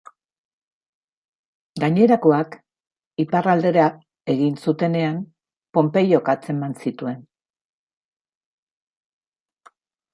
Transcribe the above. Gainerakoak, iparraldera egin zutenean, Ponpeiok atzeman zituen.